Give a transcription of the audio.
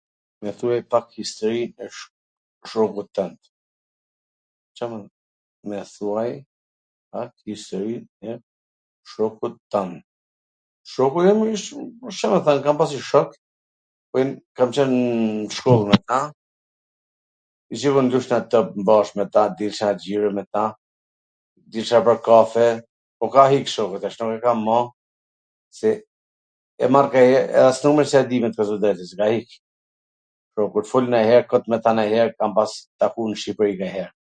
Mw thuaj pak historin e shokut twnd. .... Shoku im wsht, Ca me thwn, kam pas njw shok, kam qwn nw shkollw me ta, gjithmon lusha top bashk me ta, dilsha xhiro me ta, dilsha pwr kafe, po ka ik shoku tash, kam mall, se e marr nganjher, as numrin s ja di methwn tw drejtwn, se ka ik, po, kur t fol nanjher, kot me ta nanjher, e kam pas taku n Shqipri nganjher,